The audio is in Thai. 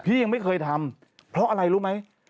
ยังไม่เคยทำเพราะอะไรรู้ไหม